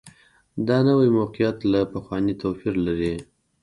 دا نوي موقعیت له پخواني توپیر درلود